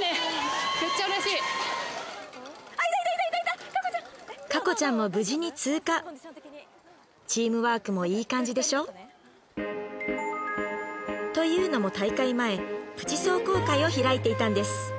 めっちゃ嬉しいあっいたいた夏子ちゃん夏子ちゃんも無事に通過チームワークもいい感じでしょというのも大会前プチ壮行会を開いていたんです